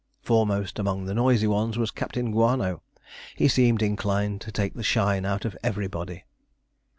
Foremost among the noisy ones was Captain Guano. He seemed inclined to take the shine out of everybody.